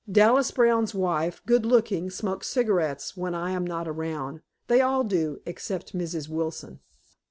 Dallas Brown's wife, good looking, smokes cigarettes when I am not around they all do, except Mrs. Wilson.